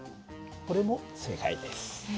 これも正解です。